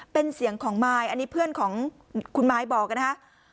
เป็นเสียงของมายอันนี้เพื่อนของคุณมายบอกนะฮะ